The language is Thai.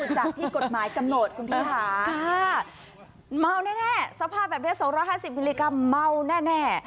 จากที่กฎหมายกำหนดคุณพี่ภาคธิภาพแบบนี้สองร้อยห้าสิบมิลลิกรัมเมาแน่แน่